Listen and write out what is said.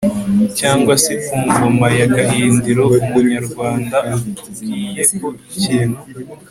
cyangwa se ku ngoma ya gahindiro. umunyarwanda akubwiye ko ikintu